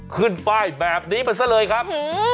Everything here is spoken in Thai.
ขึ้นป้ายแบบนี้มาซะเลยครับ